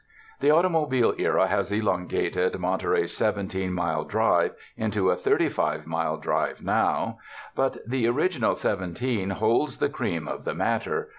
The automobile era has elongated Monterey's Seventeen Mile Drive into a thirty five mile drive now; but the original seventeen holds the cream of the matter.